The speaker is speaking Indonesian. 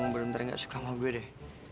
bener bener gak suka sama gue deh